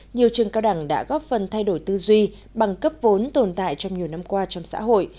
nhiều trường cao đẳng đã góp phần thay đổi tư duy bằng cấp vốn tồn tại trong nhiều năm qua trong xã hội